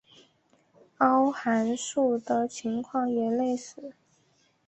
凹函数的情况也类似。